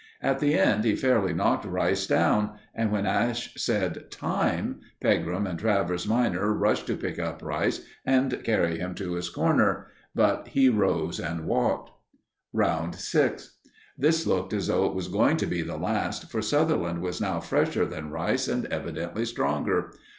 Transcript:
At the end he fairly knocked Rice down, and when Ash said "Time," Pegram and Travers minor rushed to pick up Rice and carry him to his corner; but he rose and walked. Round 6. This looked as though it was going to be the last, for Sutherland was now fresher than Rice and evidently stronger.